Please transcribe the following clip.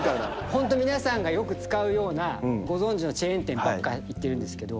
ホント皆さんがよく使うようなご存じのチェーン店ばっか行ってるんですけど。